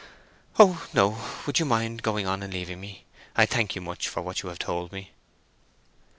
"O no! Would you mind going on and leaving me? I thank you much for what you have told me."